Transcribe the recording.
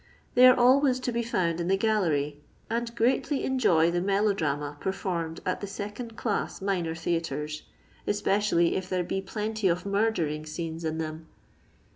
They are always to be found in the gallery, and greatly enjoy the melodramas performed at the se cond class minor theatres, especially if there be plenty of murdering seenes in them.